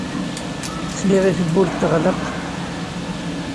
Sliɣ i tewwurt teɣleq.